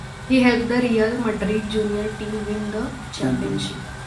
He helped the Real Madrid junior team win the championship.